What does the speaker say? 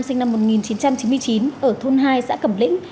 sinh năm một nghìn chín trăm chín mươi chín ở thôn hai xã cẩm lĩnh